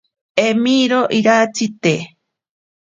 Emirio iratsi te.